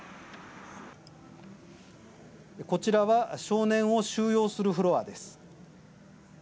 こちらは少年を収容するフロアです。